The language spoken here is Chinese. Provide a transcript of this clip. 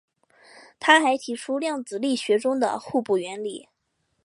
他还提出量子力学中的互补原理。